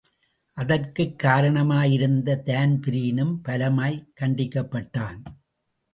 அதற்குக் காரணமாயிருந்த தான்பிரீனும் பலமாய்க் கண்டிக்கப்பட்டான்.